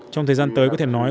trong thời gian tới có thể nói